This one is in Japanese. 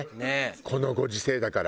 このご時世だから。